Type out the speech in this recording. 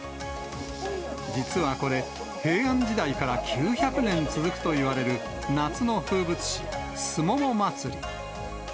実はこれ、平安時代から９００年続くといわれる夏の風物詩、すもも祭り。